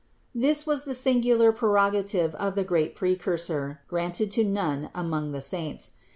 This was the singular prerogative of the great Precursor, granted to none among the saints.